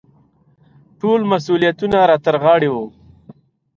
ټول مسوولیتونه را ترغاړې وو.